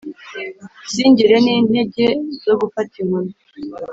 singire n’intege zo gufata inkoni